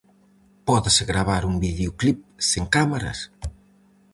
Pódese gravar un videoclip sen cámaras?